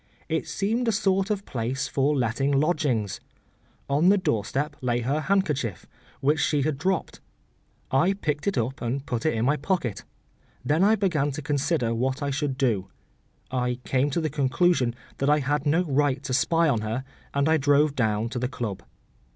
It seemed a sort of place for letting lodgings. On the doorstep lay her handkerchief, which she had dropped. I picked it up and put it in my pocket. Then I began to consider what I should do. I came to the conclusion that I had no right to spy on her, and I drove down to the club.